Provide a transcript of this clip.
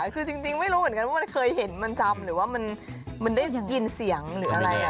คือจริงไม่รู้เหมือนกันว่ามันเคยเห็นมันจำหรือว่ามันได้ยินเสียงหรืออะไร